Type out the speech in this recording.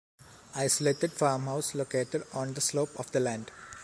Isolated farmhouse located on the slope of the land.